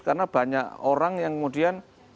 karena banyak orang yang kemudian